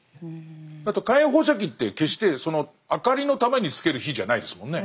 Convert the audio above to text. あと火炎放射器って決してその明かりのためにつける火じゃないですもんね。